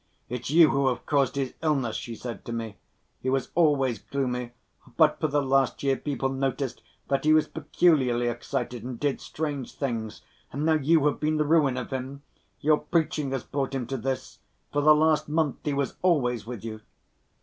"It's you who have caused his illness," she said to me; "he was always gloomy, but for the last year people noticed that he was peculiarly excited and did strange things, and now you have been the ruin of him. Your preaching has brought him to this; for the last month he was always with you."